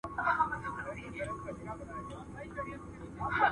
پلار یې وویل شکوي چي خپل سرونه